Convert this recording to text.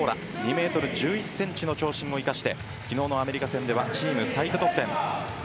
２メートル１１センチの長身を生かして昨日のアメリカではチーム最多得点です。